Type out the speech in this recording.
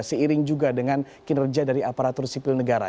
seiring juga dengan kinerja dari aparatur sipil negara